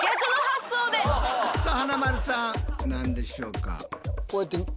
さあ華丸さん何でしょうか？